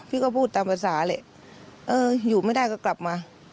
พี่ก็พูดตามภาษาแหละเอออยู่ไม่ได้ก็กลับมา